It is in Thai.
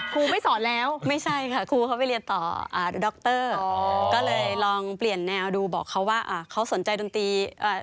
ครูไม่สอนแล้วไม่ใช่ค่ะครูเขาไปเรียนต่ออ่าดรอ๋อก็เลยลองเปลี่ยนแนวดูบอกเขาว่าอ่าเขาสนใจดนตรีเอ่อ